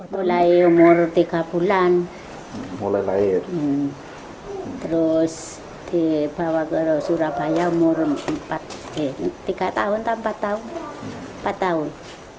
mulai umur tiga bulan terus dibawa ke surabaya umur empat tahun